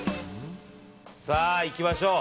さあ、いきましょう。